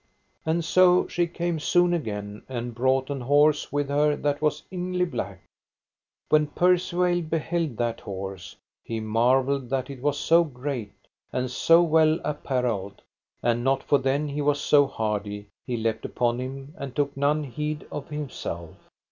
And so she came soon again and brought an horse with her that was inly black. When Percivale beheld that horse he marvelled that it was so great and so well apparelled; and not for then he was so hardy, and he leapt upon him, and took none heed of himself.